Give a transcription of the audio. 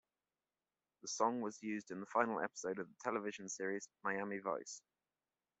The song was used in the final episode of the television series "Miami Vice".